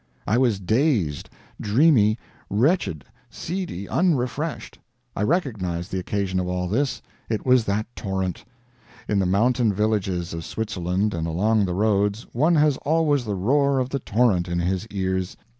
I was dazed, dreamy, wretched, seedy, unrefreshed. I recognized the occasion of all this: it was that torrent. In the mountain villages of Switzerland, and along the roads, one has always the roar of the torrent in his ears.